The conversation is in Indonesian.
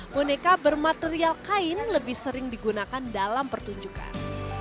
boneka bermaterial kain lebih sering digunakan dalam pertunjukan